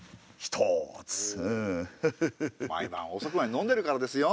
毎晩遅くまで飲んでるからですよ。